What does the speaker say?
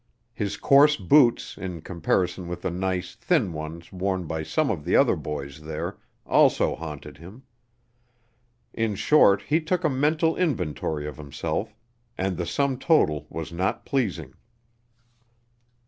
His coarse boots, in comparison with the nice, thin ones worn by some of the other boys there, also haunted him. In short, he took a mental inventory of himself, and the sum total was not pleasing.